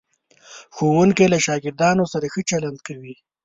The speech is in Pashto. ښوونکی له شاګردانو سره ښه چلند کوي.